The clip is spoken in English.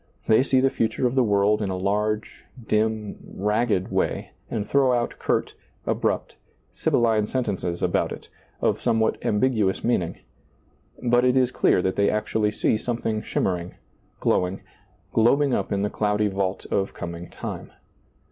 They see the future of the world in a large, dim, ragged way, and throw out curt, abrupt, sibylline sentences about it, of some what ambiguous meaning ; but it is clear that they actually see something shimmering, glowing, glob ing up in the cloudy vault of coming time.